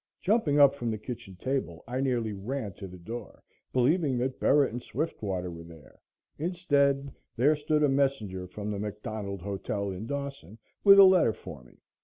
Jumping up from the kitchen table, I nearly ran to the door, believing that Bera and Swiftwater were there. Instead there stood a messenger from the McDonald Hotel in Dawson with a letter for me.